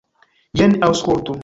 Jen, aŭskultu.